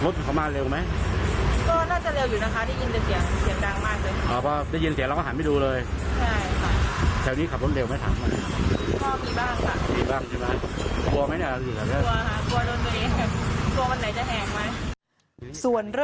ส่วนเรื่องของเกิดเหตุ